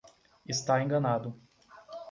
Está enganado.